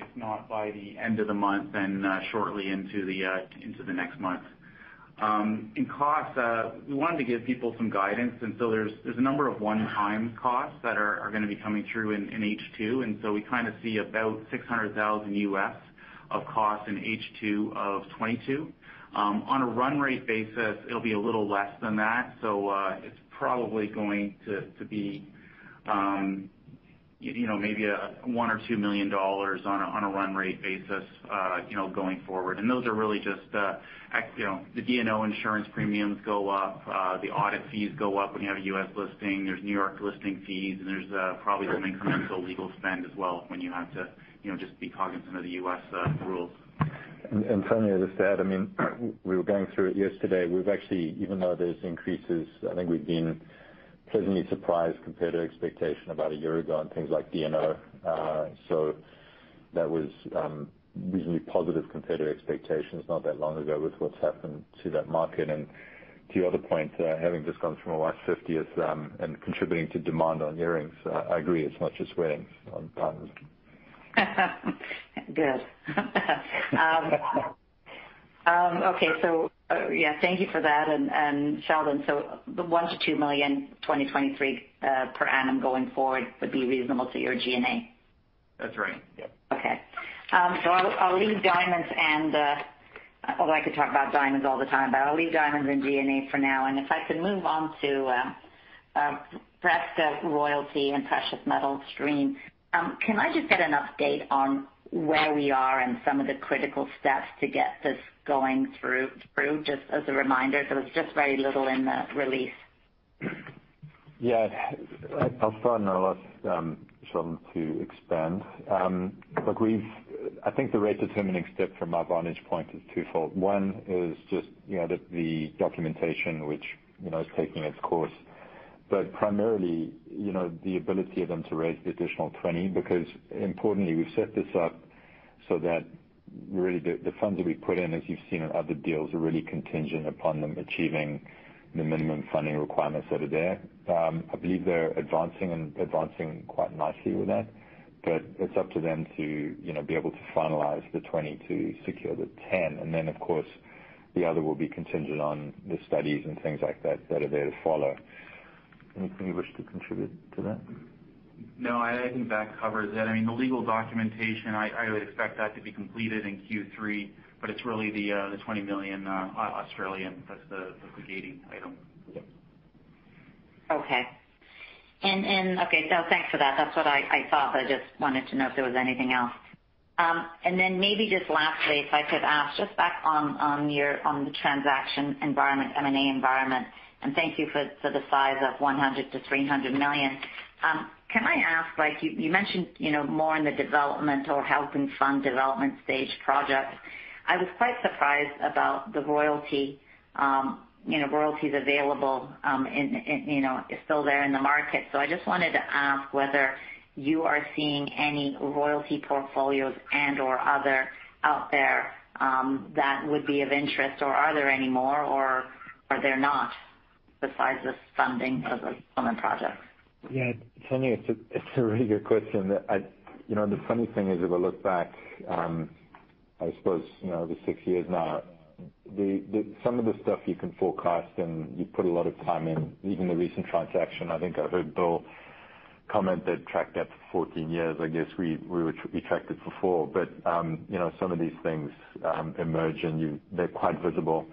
if not by the end of the month, then shortly into the next month. On costs, we wanted to give people some guidance, so there's a number of one-time costs that are gonna be coming through in H2. We kinda see about $600,000 of costs in H2 of 2022. On a run rate basis, it'll be a little less than that. It's probably going to be you know, maybe $1 million or $2 million on a run rate basis, you know, going forward. Those are really just you know, the D&O insurance premiums go up, the audit fees go up when you have a U.S. listing. There's New York listing fees, and there's probably some incremental legal spend as well when you have to, you know, just be cognizant of the U.S. rules. Tanya, just to add, I mean, we were going through it yesterday. We've actually, even though there's increases, I think we've been pleasantly surprised compared to expectation about a year ago on things like D&O. So that was reasonably positive compared to expectations not that long ago with what's happened to that market. To your other point, having just come from a Y 50th, and contributing to demand on earrings, I agree it's not just weddings on diamonds. Good. Thank you for that. Sheldon, $1-$2 million 2023 per annum going forward would be reasonable to your G&A? That's right. Yep. Okay. So I'll leave diamonds and although I could talk about diamonds all the time, but I'll leave diamonds and G&A for now. If I could move on to Prieska Royalty and Precious Metal Stream, can I just get an update on where we are and some of the critical steps to get this going through? Just as a reminder, there was just very little in the release. Yeah. I'll start, and I'll ask Sheldon to expand. Look, I think the rate determining step from our vantage point is twofold. One is just, you know, the documentation which, you know, is taking its course. But primarily, you know, the ability of them to raise the additional $20 because importantly, we've set this up so that really the funds that we put in, as you've seen on other deals, are really contingent upon them achieving the minimum funding requirements that are there. I believe they're advancing quite nicely with that. But it's up to them to, you know, be able to finalize the $20 to secure the $10. And then of course, the other will be contingent on the studies and things like that that are there to follow. Anything you wish to contribute to that? No, I think that covers it. I mean, the legal documentation, I would expect that to be completed in Q3, but it's really the 20 million that's the gating item. Yep. Okay. Thanks for that. That's what I thought, but I just wanted to know if there was anything else. Maybe just lastly, if I could ask just back on your transaction environment, M&A environment. Thank you for the size of $100 million-$300 million. Can I ask, you mentioned, you know, more in the development or helping fund development stage projects. I was quite surprised about the royalty, you know, royalties available, you know, is still there in the market. I just wanted to ask whether you are seeing any royalty portfolios and/or other out there that would be of interest or are there any more, or are there not besides the funding of the mine projects? Yeah. Tanya, it's a really good question. You know, the funny thing is, if I look back, I suppose, you know, over six years now, some of the stuff you can forecast and you put a lot of time in. Even the recent transaction, I think I heard Bill comment that tracked that for 14 years. I guess we tracked it for four. You know, some of these things emerge and you, they're quite visible.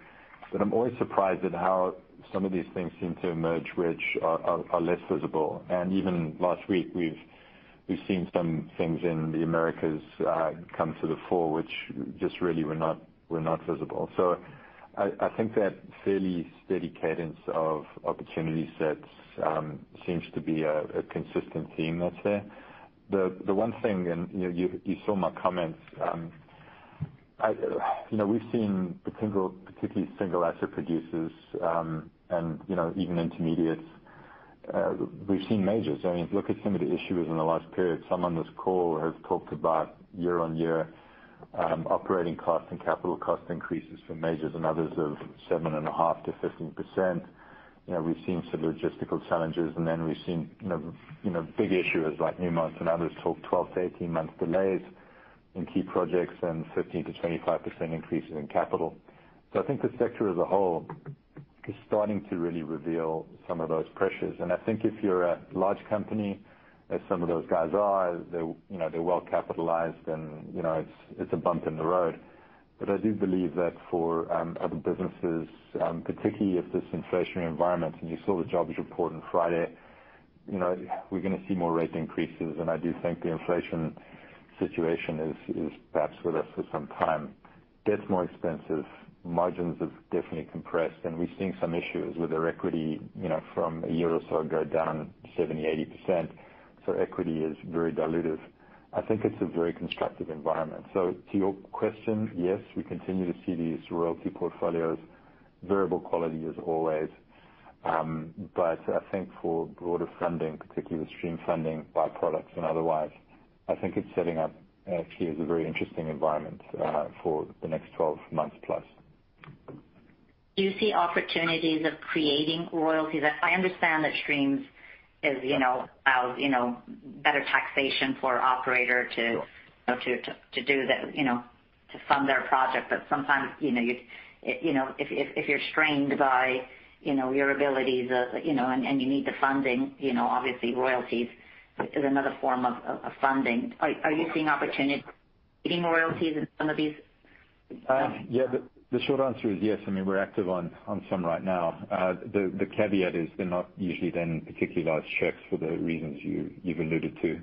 I'm always surprised at how some of these things seem to emerge which are less visible. Even last week, we've seen some things in the Americas come to the fore which just really were not visible. I think that fairly steady cadence of opportunity sets seems to be a consistent theme that's there. The one thing, you know, you saw my comments, you know, we've seen particularly single asset producers, and, you know, even intermediates. We've seen majors. I mean, look at some of the issuers in the last period. Some on this call have talked about year-on-year operating costs and capital cost increases for majors and others of 7.5%-15%. You know, we've seen some logistical challenges, and then we've seen, you know, big issuers like Newmont and others talk 12-18 months delays in key projects and 15%-25% increases in capital. I think the sector as a whole is starting to really reveal some of those pressures. I think if you're a large company, as some of those guys are, they're, you know, they're well capitalized and, you know, it's a bump in the road. I do believe that for other businesses, particularly if this inflationary environment and you saw the jobs report on Friday, you know, we're gonna see more rate increases. I do think the inflation situation is perhaps with us for some time. Debt's more expensive, margins have definitely compressed, and we're seeing some issues with their equity, you know, from a year or so ago, down 70%-80%. Equity is very dilutive. I think it's a very constructive environment. To your question, yes, we continue to see these royalty portfolios. Variable quality as always. I think for broader funding, particularly the stream funding byproducts and otherwise, I think it's setting up actually as a very interesting environment for the next 12 months plus. Do you see opportunities of creating royalties? I understand that streams is, you know, allows, you know, better taxation for operator to. To fund their project. Sometimes, you know, if you're strained by, you know, your ability to, you know, and you need the funding, you know, obviously royalties is another form of funding. Are you seeing opportunities creating royalties in some of these? Yeah. The short answer is yes. I mean, we're active on some right now. The caveat is they're not usually then particularly large checks for the reasons you've alluded to.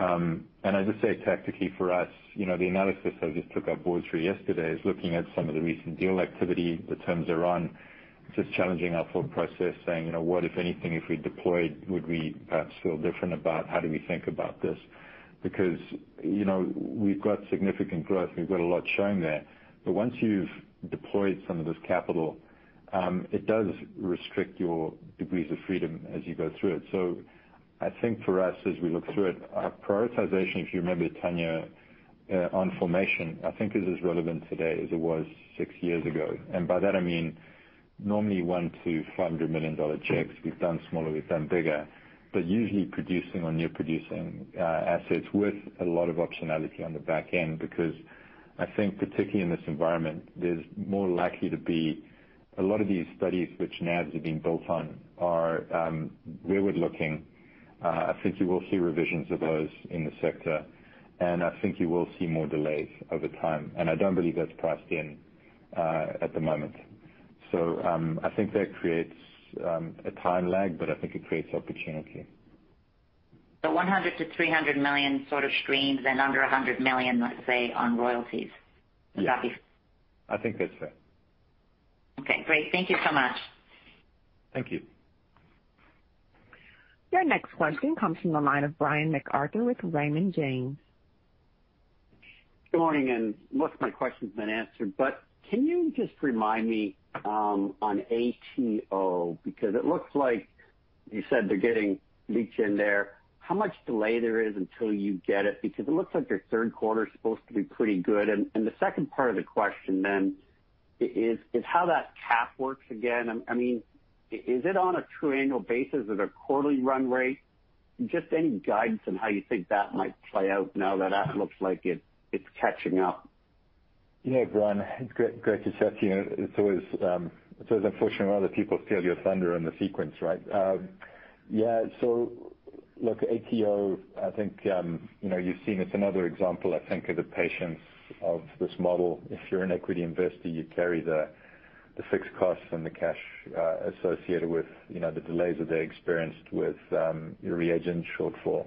I'd just say tactically for us, you know, the analysis I just took our board through yesterday is looking at some of the recent deal activity, the terms around just challenging our thought process, saying, you know, what, if anything, if we deployed, would we perhaps feel different about how do we think about this? Because, you know, we've got significant growth, we've got a lot shown there. Once you've deployed some of this capital, it does restrict your degrees of freedom as you go through it. I think for us, as we look through it, our prioritization, if you remember, Tanya, on formation, I think is as relevant today as it was six years ago. By that I mean, normally $1 million-$500 million checks. We've done smaller, we've done bigger, but usually producing or new producing assets with a lot of optionality on the back end, because I think particularly in this environment, there's more likely to be a lot of these studies which NAVs are being built on are rearward-looking. I think you will see revisions of those in the sector, and I think you will see more delays over time, and I don't believe that's priced in at the moment. I think that creates a time lag, but I think it creates opportunity. $100 million-$300 million sort of streams and under $100 million, let's say, on royalties. Yeah. Would that be fair? I think that's fair. Okay, great. Thank you so much. Thank you. Your next question comes from the line of Brian MacArthur with Raymond James. Good morning. Most of my question's been answered, but can you just remind me on ATO, because it looks like you said they're getting leach in there. How much delay there is until you get it? Because it looks like your third quarter is supposed to be pretty good. The second part of the question then is how that cap works again. I mean, is it on a trailing annual basis or their quarterly run rate? Just any guidance on how you think that might play out now that that looks like it's catching up. Yeah, Brian, it's great to chat to you. It's always unfortunate when other people steal your thunder in the sequence, right? Yeah. Look, ATO, I think, you know, you've seen it's another example, I think, of the patience of this model. If you're an equity investor, you carry the fixed costs and the cash associated with, you know, the delays that they experienced with your reagent shortfall.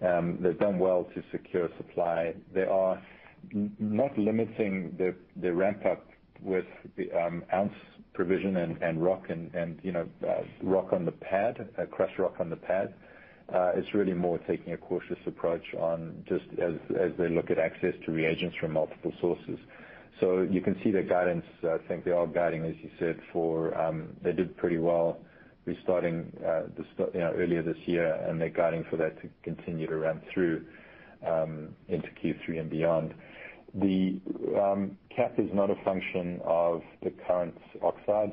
They've done well to secure supply. They are not limiting the ramp-up with the ounce provision and rock and, you know, rock on the pad, crush rock on the pad. It's really more taking a cautious approach on just as they look at access to reagents from multiple sources. You can see their guidance. I think they are guiding, as you said, for. They did pretty well restarting, you know, earlier this year, and they're guiding for that to continue to ramp through into Q3 and beyond. The cap is not a function of the current oxide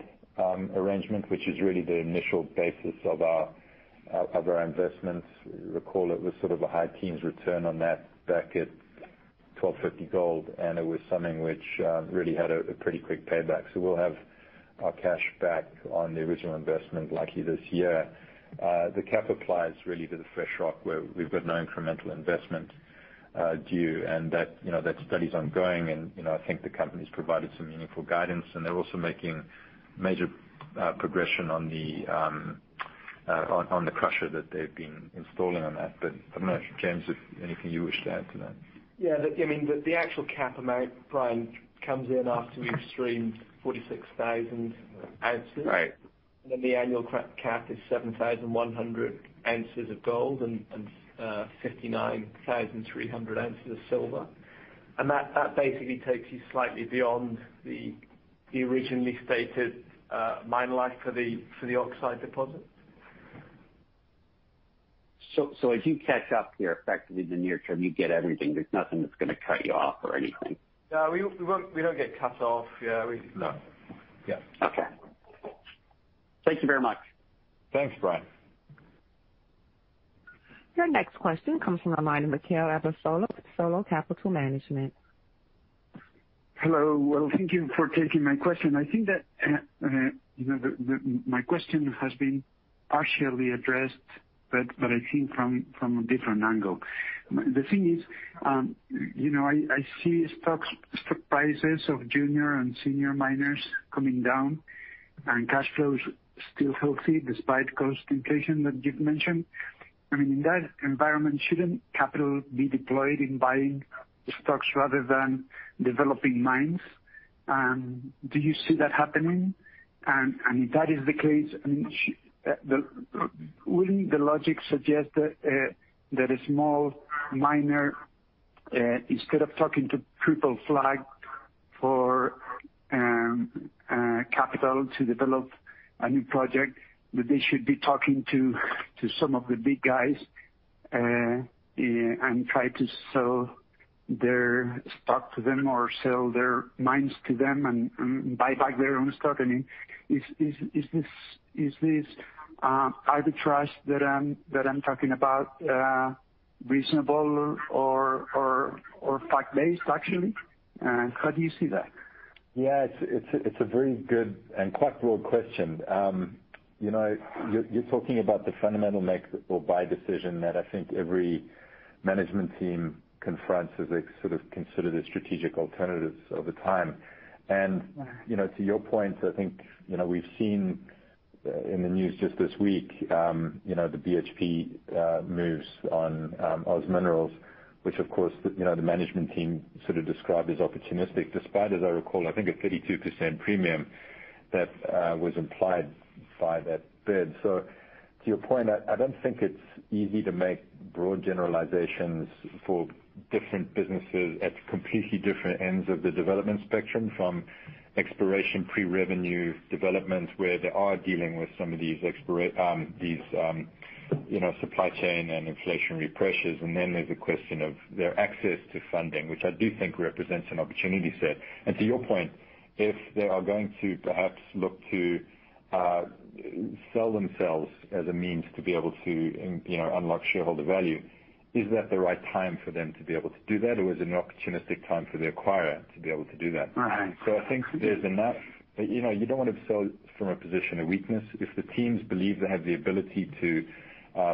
arrangement, which is really the initial basis of our investments. Recall it was sort of a high teens return on that back at $1,250 gold, and it was something which really had a pretty quick payback. We'll have our cash back on the original investment likely this year. The cap applies really to the fresh rock where we've got no incremental investment due to that, you know, that study's ongoing and, you know, I think the company's provided some meaningful guidance, and they're also making major progress on the crusher that they've been installing on that. I don't know, James, if anything you wish to add to that. Yeah. I mean, the actual cap amount, Brian, comes in after you've streamed 46,000 ounces. Right. The annual cap is 7,100 ounces of gold and 59,300 ounces of silver. That basically takes you slightly beyond the You originally stated mine life for the oxide deposit. as you catch up here, effectively the near term, you get everything. There's nothing that's gonna cut you off or anything? No, we won't. We don't get cut off. Yeah. No. Yeah. Okay. Thank you very much. Thanks, Brian. Your next question comes from the line of Mikel Abasolo with Solo Capital Management. Hello. Well, thank you for taking my question. I think that, you know, my question has been partially addressed, but I think from a different angle. The thing is, you know, I see stocks, stock prices of junior and senior miners coming down and cash flows still healthy despite cost inflation that you've mentioned. I mean, in that environment, shouldn't capital be deployed in buying the stocks rather than developing mines? And do you see that happening? If that is the case, I mean, wouldn't the logic suggest that a small miner, instead of talking to Triple Flag for capital to develop a new project, that they should be talking to some of the big guys and try to sell their stock to them or sell their mines to them and buy back their own stock? I mean, is this arbitrage that I'm talking about reasonable or fact-based, actually? How do you see that? Yeah, it's a very good and quite broad question. You know, you're talking about the fundamental make or buy decision that I think every management team confronts as they sort of consider the strategic alternatives over time. You know, to your point, I think, you know, we've seen in the news just this week, you know, the BHP moves on OZ Minerals, which of course, you know, the management team sort of described as opportunistic, despite as I recall, I think a 32% premium that was implied by that bid. To your point, I don't think it's easy to make broad generalizations for different businesses at completely different ends of the development spectrum, from exploration, pre-revenue development, where they are dealing with some of these supply chain and inflationary pressures. Then there's a question of their access to funding, which I do think represents an opportunity set. To your point, if they are going to perhaps look to sell themselves as a means to be able to unlock shareholder value, is that the right time for them to be able to do that? Or is it an opportunistic time for the acquirer to be able to do that? Uh-huh. I think there's enough. You know, you don't wanna sell from a position of weakness. If the teams believe they have the ability to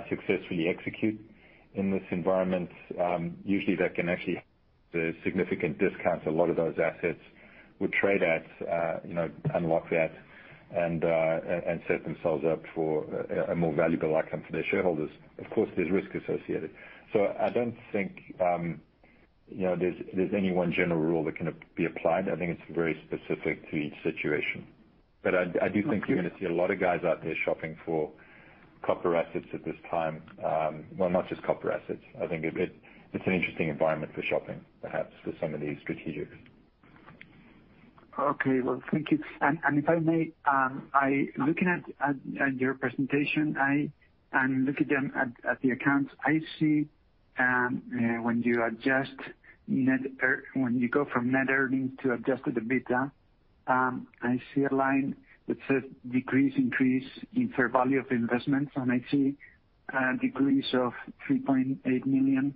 successfully execute in this environment, usually that can actually have the significant discounts a lot of those assets would trade at, you know, unlock that and set themselves up for a more valuable outcome for their shareholders. Of course, there's risk associated. I don't think, you know, there's any one general rule that can be applied. I think it's very specific to each situation. I do think you're gonna see a lot of guys out there shopping for copper assets at this time. Well, not just copper assets. I think it's an interesting environment for shopping, perhaps for some of these strategics. Okay. Well, thank you. If I may, looking at your presentation, I am looking at the accounts. I see, when you go from net earnings to adjusted EBITDA, I see a line that says decrease, increase in fair value of investments, and I see a decrease of $3.8 million.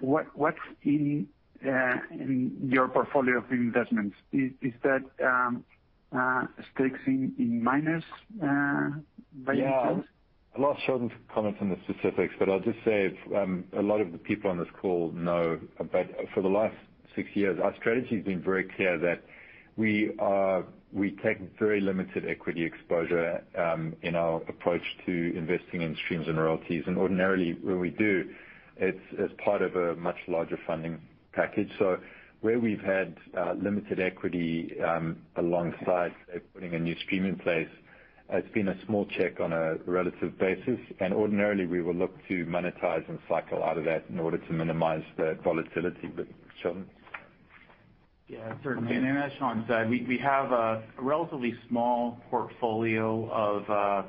What's in your portfolio of investments? Is that stakes in miners, by any chance? Yeah. I'll let Sheldon comment on the specifics, but I'll just say if a lot of the people on this call know about for the last six years, our strategy's been very clear that we are, we take very limited equity exposure in our approach to investing in streams and royalties. Ordinarily, when we do, it's as part of a much larger funding package. Where we've had limited equity alongside putting a new stream in place, it's been a small check on a relative basis, and ordinarily we will look to monetize and cycle out of that in order to minimize the volatility. Sheldon? Yeah, certainly. As Shaun said, we have a relatively small portfolio of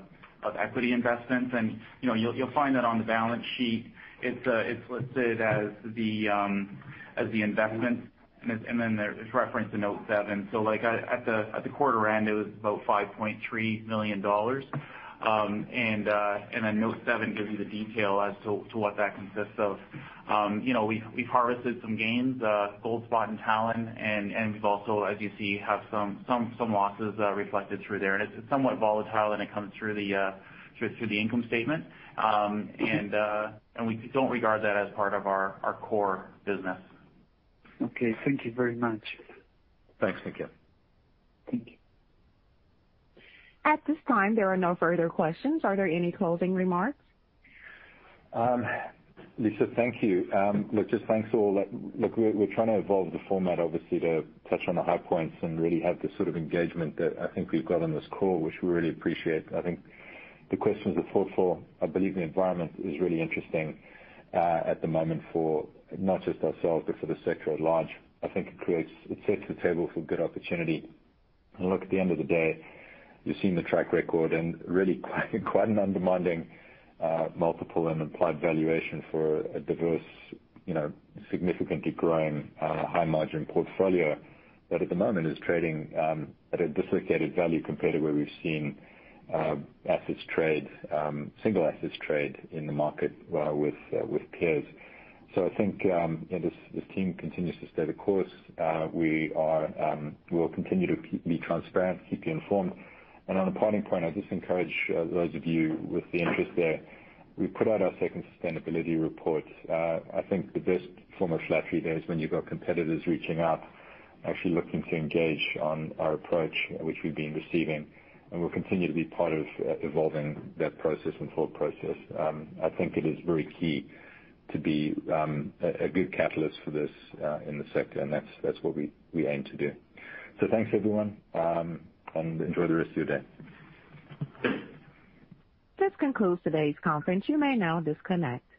equity investments and, you know, you'll find that on the balance sheet. It's listed as the investment, and then there is reference to Note 7. Like at the quarter end, it was about $5.3 million. And then Note 7 gives you the detail as to what that consists of. You know, we've harvested some gains, GoldSpot and Talon, and we've also, as you see, have some losses reflected through there. It's somewhat volatile, and it comes through the income statement. We don't regard that as part of our core business. Okay, thank you very much. Thanks, Mikel. Thank you. At this time, there are no further questions. Are there any closing remarks? Lisa, thank you. Look, just thanks to all. Look, we're trying to evolve the format obviously to touch on the high points and really have the sort of engagement that I think we've got on this call, which we really appreciate. I think the questions are thoughtful. I believe the environment is really interesting at the moment for not just ourselves, but for the sector at large. I think it sets the table for good opportunity. Look, at the end of the day, you've seen the track record and really quite an undemanding multiple and implied valuation for a diverse, you know, significantly growing high margin portfolio that at the moment is trading at a dislocated value compared to where we've seen assets trade, single assets trade in the market with peers. I think, you know, this team continues to stay the course. We'll continue to be transparent, keep you informed. On a parting point, I just encourage those of you with the interest there, we put out our second sustainability report. I think the best form of flattery there is when you've got competitors reaching out, actually looking to engage on our approach, which we've been receiving, and we'll continue to be part of evolving that process and thought process. I think it is very key to be a good catalyst for this in the sector, and that's what we aim to do. Thanks, everyone, and enjoy the rest of your day. This concludes today's conference. You may now disconnect.